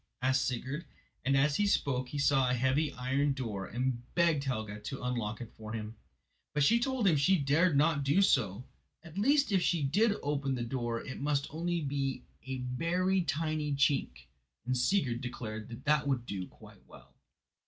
asked Sigurd, and as he spoke he saw a heavy iron door and begged Helga to unlock it for him. But she told him she dared not do so, at least if she did open the door it must only be a very tiny chink; and Sigurd declared that would do quite well.